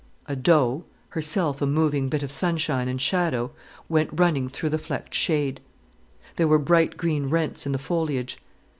A doe, herself a moving bit of sunshine and shadow, went running through the flecked shade. There were bright green rents in the foliage.